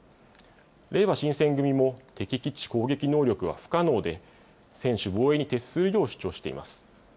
れいわ新選組も敵基地攻撃能力は不可能で、専守防衛に徹するよう主張しています。